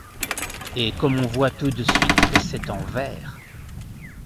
Et comme on voit tout de suite que c’est en vers !